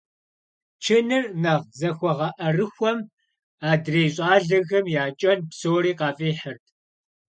Чыныр нэхъ зыхуэгъэӀэрыхуэм адрей щӀалэхэм я кӀэн псори къафӀихьырт.